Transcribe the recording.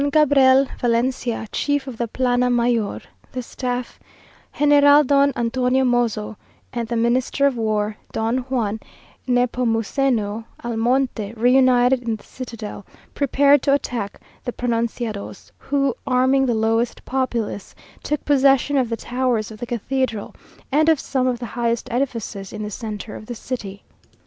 Don Gabriel Valencia, chief of the plana mayor (the staff), General Don Antonio Mozo, and the Minister of War, Don Juan Nepomuceno Almonte, re united in the citadel, prepared to attack the pronunciados, who, arming the lowest populace, took possession of the towers of the cathedral, and of some of the highest edifices in the centre of the city.